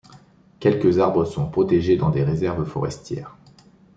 Quelques arbres sont protégés dans des réserves forestières.